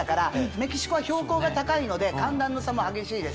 メキシコは標高が高いので寒暖の差も激しいです。